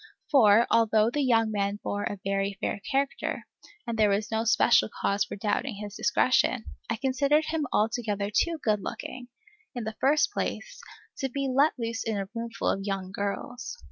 For, although the young man bore a very fair character, and there was no special cause for doubting his discretion, I considered him altogether too good looking, in the first place, to be let loose in a roomful of young girls.